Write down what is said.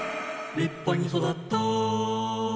「立派に育ったー」